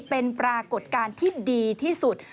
เป็นปรากฏการณ์ที่ดีที่สุด